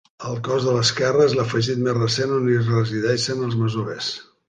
El cos de l'esquerre és l'afegit més recent i on resideixen els masovers.